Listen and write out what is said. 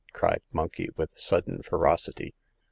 *' cried Monkey, with sudden ferocity.